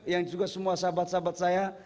yang juga semua sahabat sahabat saya